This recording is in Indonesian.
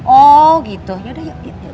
oh gitu yaudah yuk gitu